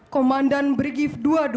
komandan brigif dua puluh dua